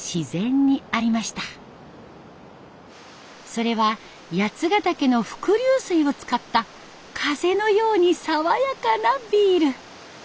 それは八ヶ岳の伏流水を使った風のように爽やかなビール。